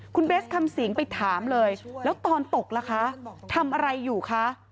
คุณเบสคำสิงไปถามเลยแล้วตอนตกล่ะคะทำอะไรอยู่คะ